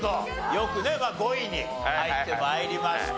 よくね５位に入って参りました。